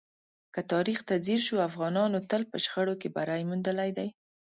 که تاریخ ته ځیر شو، افغانانو تل په شخړو کې بری موندلی دی.